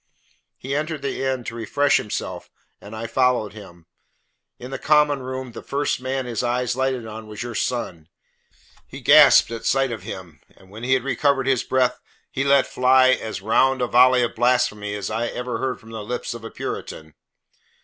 He entered the inn to refresh himself and I followed him. In the common room the first man his eyes lighted on was your son. He gasped at sight of him, and when he had recovered his breath he let fly as round a volley of blasphemy as ever I heard from the lips of a Puritan.